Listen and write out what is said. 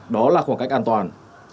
đó là khoảng cách an toàn